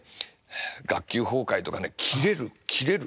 学級崩壊とかねキレるキレる。